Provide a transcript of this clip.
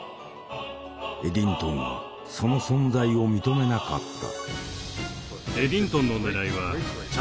エディントンはその存在を認めなかった。